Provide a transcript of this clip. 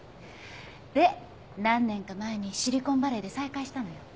で何年か前にシリコンバレーで再会したのよ。